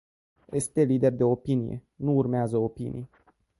Este lider de opinie, nu urmează opinii.